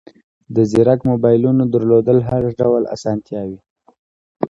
د زیرک موبایلونو درلودل هر ډول اسانتیاوې